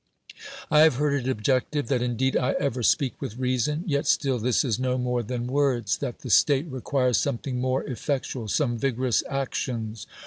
I have heard it objected. "That indeed I ever speak with reason; yet still this is no more than words — that the state re( quires something more effectual, some vigorous actions."